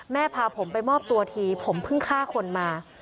พาผมไปมอบตัวทีผมเพิ่งฆ่าคนมา